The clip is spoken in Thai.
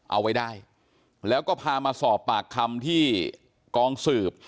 เอาไว้ได้แล้วก็พามาสอบปากคำที่กองสืบ